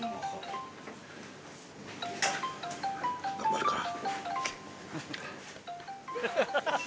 頑張るから。